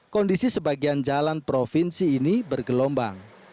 kondisi sebagian jalan provinsi ini bergelombang